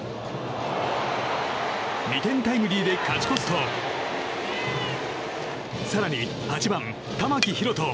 ２点タイムリーで勝ち越すと更に８番、玉置大翔